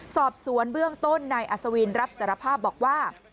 สอบสวนเบื้องต้นนายอัศวินรับสารภาพบอกว่า